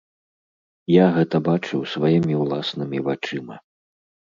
Я гэта бачыў сваімі ўласнымі вачыма.